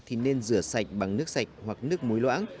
thì nên rửa sạch bằng nước sạch hoặc nước muối loãng